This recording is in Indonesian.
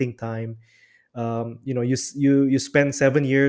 anda menghabiskan tujuh tahun di sana